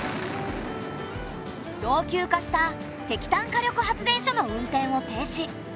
老朽化した石炭火力発電所の運転を停止。